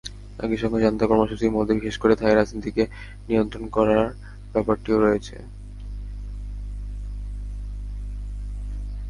একই সঙ্গে জান্তার কর্মসূচির মধ্যে বিশেষ করে থাই রাজনীতিকে নিয়ন্ত্রণ করার ব্যাপারটিও রয়েছে।